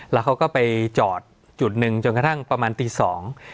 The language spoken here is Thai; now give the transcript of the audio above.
แล้วเขาก็ไปจอดจุดหนึ่งจนกระทั่งประมาณตีสอง